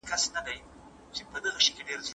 تاسي په خپلو خپلوانو کي ګران یاست.